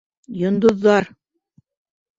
Йондоҙҙар.